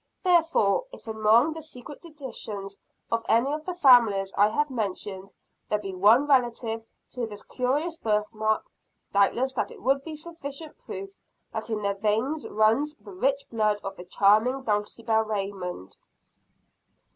Therefore, if among the secret traditions of any of the families I have mentioned, there be one relative to this curious birth mark, doubtless that would be sufficient proof that in their veins runs the rich blood of the charming Dulcibel Raymond.